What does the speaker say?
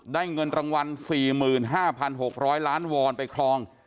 เงินรางวัล๔๕๖๐๐ล้านวอนไปครอง